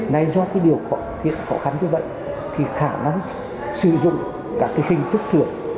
này do cái điều khó khăn như vậy thì khả năng sử dụng các cái hình thức thưởng